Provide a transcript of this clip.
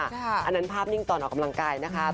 อันนั้นภาพนิ่งตอนออกกำลังกายนะคะ